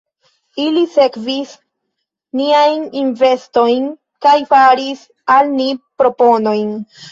Ili sekvis niajn investojn kaj faris al ni proponojn.